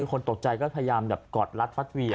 คนตกใจก็พยายามแบบกอดรัดฟัดเวีย